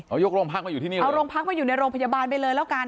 เอาโรงพักมาอยู่ในโรงพยาบาลไปเลยแล้วกัน